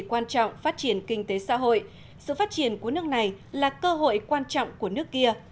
quan trọng phát triển kinh tế xã hội sự phát triển của nước này là cơ hội quan trọng của nước kia